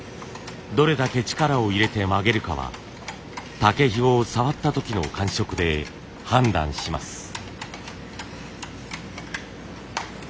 どれだけ力を入れて曲げるかは竹ひごを触った時の感触で判断します。